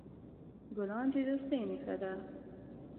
ګلان د دوستی نښه ده.